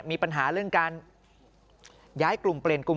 มีปัญหาเรื่องการย้ายกลุ่มเปลี่ยนกลุ่ม